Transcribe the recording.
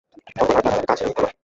তখন আর তারা তাকে কাজে নিতো না।